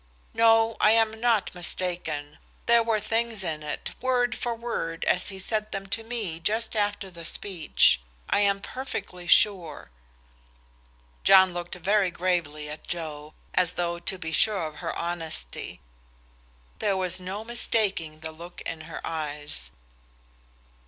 "No, I am not mistaken. There were things in it, word for word as he said them to me just after the speech. I am perfectly sure." John looked very gravely at Joe, as though to be sure of her honesty. There was no mistaking the look in her eyes.